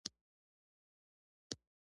موږ خپلو پخوانیو ملګرو او نویو ګاونډیانو ته ورغلو